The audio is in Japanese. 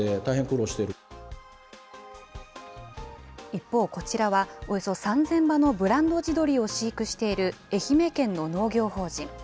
一方、こちらはおよそ３０００羽のブランド地鶏を飼育している愛媛県の農業法人。